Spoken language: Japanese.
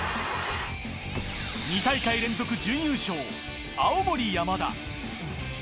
２大会連続準優勝、青森山田。